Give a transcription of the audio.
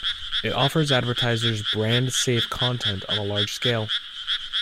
It offers advertisers "brand safe" content on a large scale.